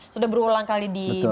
sudah berulang kali dibicarakan